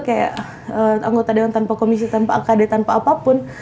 kayak anggota dewan tanpa komisi tanpa akd tanpa apapun